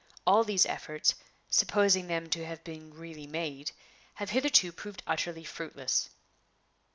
All these efforts, supposing them to have been really made, have hitherto proved utterly fruitless."